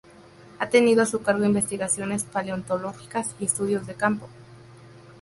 Ha tenido a su cargo investigaciones paleontológicas y estudios de campo.